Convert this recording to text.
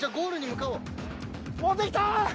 じゃ持ってきた！